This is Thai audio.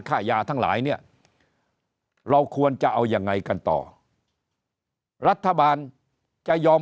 ค่ายาทั้งหลายเนี่ยเราควรจะเอายังไงกันต่อรัฐบาลจะยอม